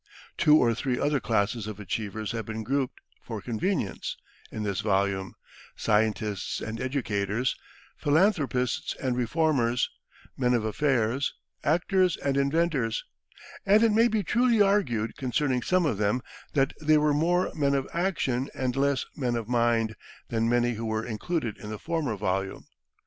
Two or three other classes of achievers have been grouped, for convenience, in this volume scientists and educators, philanthropists and reformers, men of affairs, actors and inventors and it may be truly argued concerning some of them that they were more "men of action," and less "men of mind" than many who were included in the former volume.